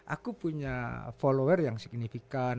aku punya follower yang signifikan